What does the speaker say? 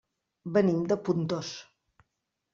Venim de Pontós.